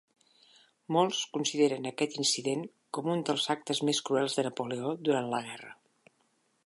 Molts consideren aquest incident com un dels actes més cruels de Napoleó durant la guerra.